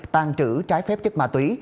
tàn trữ trái phép chất ma túy